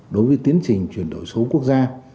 đối với tiến trình chuyển đổi số quốc gia